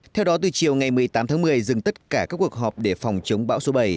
theo đó từ chiều ngày một mươi tám tháng một mươi dừng tất cả các cuộc họp để phòng chống bão số bảy